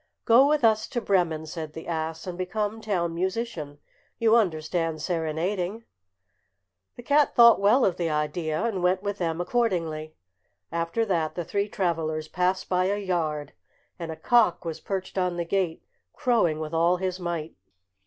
"Go with us to Bremen," said the ass, "and become town musician. You understand serenading." The cat thought well of the idea, and went with them accordingly. After that the three travellers passed by a yard, and a cock was perched on the gate crowing with all his might.